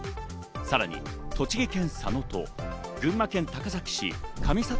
さらに栃木県佐野と群馬県高崎市上里